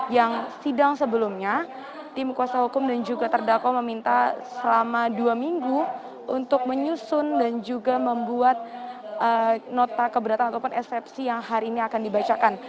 yang sidang sebelumnya tim kuasa hukum dan juga terdakwa meminta selama dua minggu untuk menyusun dan juga membuat nota keberatan ataupun eksepsi yang hari ini akan dibacakan